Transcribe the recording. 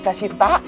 masih ada lagi